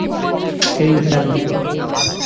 হেই, Sam.